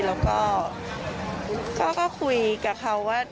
แล้วก็คุยกับเขาว่า